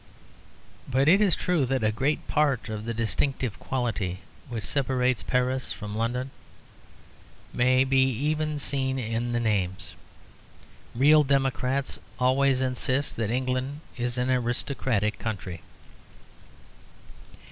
But it is true that a great part of the distinctive quality which separates Paris from London may be even seen in the names. Real democrats always insist that England is an aristocratic country.